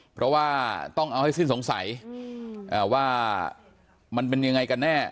เพราะว่าต้องเอาให้สิ้นสงสัยว่ามันเป็นยังไงกันแน่